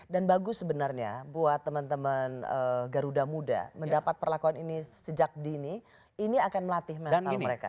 dan bagus sebenarnya buat teman teman garuda muda mendapat perlakuan ini sejak dini ini akan melatih menang mereka